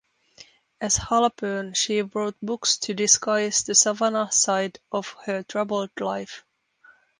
As Halpern, she wrote books to disguise the Savannah side of her troubled life.